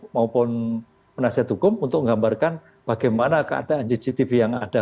maupun penasihat hukum untuk menggambarkan bagaimana keadaan cctv yang ada